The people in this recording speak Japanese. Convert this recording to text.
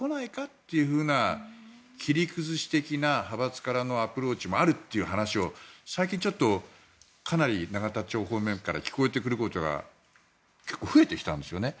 って切り崩し的な派閥からのアプローチもあるという話を、最近ちょっとかなり永田町方面から聞こえてくることが結構増えてきたんですよね。